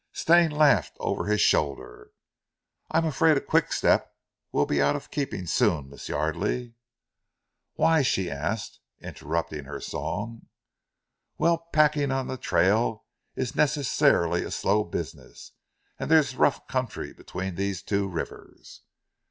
Stane laughed over his shoulder. "I'm afraid a quick step will be out of keeping soon, Miss Yardely." "Why?" she asked interrupting her song. "Well packing on trail is necessarily a slow business; and there's rough country between these two rivers."